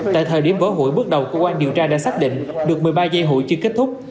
tại thời điểm vỡ hụi bước đầu cơ quan điều tra đã xác định được một mươi ba dây hụi chưa kết thúc